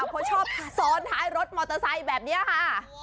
เพราะชอบซ้อนท้ายรถมอเตอร์ไซค์แบบนี้ค่ะ